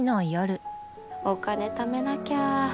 お金ためなきゃ。